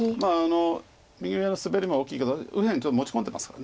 右上のスベリも大きいけど右辺ちょっと持ち込んでますから。